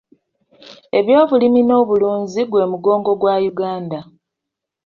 Eby'obulimi n'obulunzi gwe mugongo gwa Uganda.